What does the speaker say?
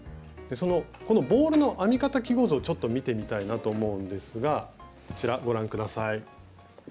このボールの編み方記号図をちょっと見てみたいなと思うんですがこちらご覧下さい。